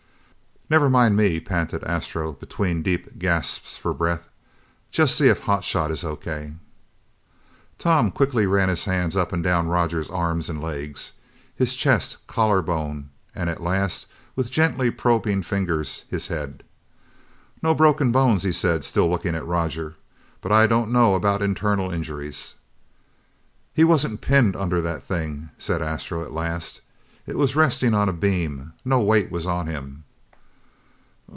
"Never mind me," panted Astro between deep gasps for breath, "just see if hot shot is O.K." Tom quickly ran his hands up and down Roger's arms and legs, his chest, collarbone and at last, with gently probing fingers, his head. "No broken bones," he said, still looking at Roger, "but I don't know about internal injuries." "He wasn't pinned under that thing," said Astro at last. "It was resting on a beam. No weight was on him."